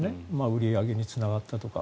売り上げにつながったとか。